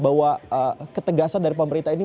bahwa ketegasan dari pemerintah ini